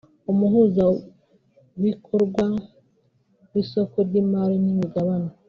Umuhuzabikorwa w’Isoko ry’Imari n’Imigabane